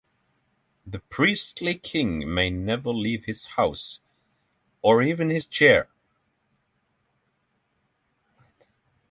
The priestly king may never leave his house or even his chair.